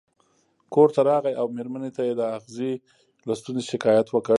کور ته راغی او مېرمنې ته یې د اغزي له ستونزې شکایت وکړ.